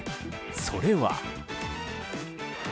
それは。